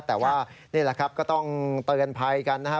แต่ว่านี่แหละครับก็ต้องเตือนภัยกันนะฮะ